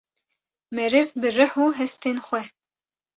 Meriv bi rih û hestin xwe